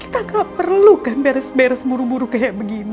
kita gak perlu kan beres beres buru buru kayak begini